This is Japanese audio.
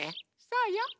そうよ。